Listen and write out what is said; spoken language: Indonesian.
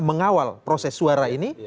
mengawal proses suara ini